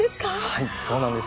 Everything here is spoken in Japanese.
はいそうなんです。